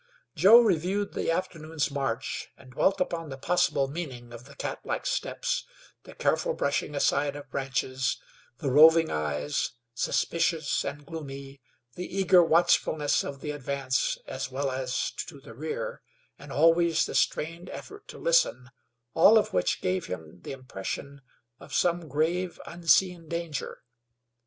Joe reviewed the afternoon's march and dwelt upon the possible meaning of the cat like steps, the careful brushing aside of branches, the roving eyes, suspicious and gloomy, the eager watchfulness of the advance as well as to the rear, and always the strained effort to listen, all of which gave him the impression of some grave, unseen danger.